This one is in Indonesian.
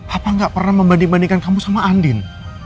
apa nggak pernah membanding bandingkan kamu sama andin